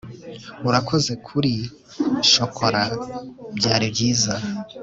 urakoze kuri shokora. byari byiza